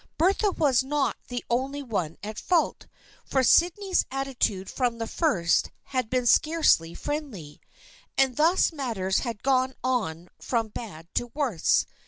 Bertha was not the only one at fault, for Sydney's attitude from the first had been scarcely friendly, xlnd thus matters had gone on from bad to worse.